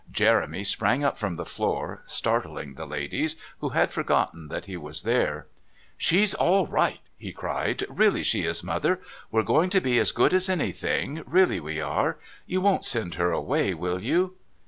Jeremy sprang up from the floor, startling the ladies, who had forgotten that he was there. "She's all right," he cried. "Really she is, Mother. We're going to be as good as anything, really we are. You won't send her away, will you?"